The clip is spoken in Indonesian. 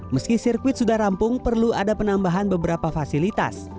meski sirkuit sudah rampung perlu ada penambahan beberapa fasilitas